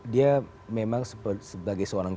dia memang sebagai seorang